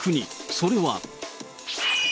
それは。